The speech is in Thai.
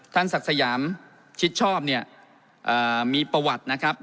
ศักดิ์สยามชิดชอบเนี่ยมีประวัตินะครับ